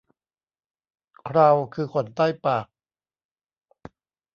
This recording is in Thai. เคราคือขนใต้ปาก